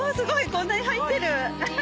こんなに入ってる。